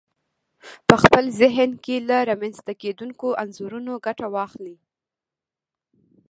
په خپل ذهن کې له رامنځته کېدونکو انځورونو ګټه واخلئ.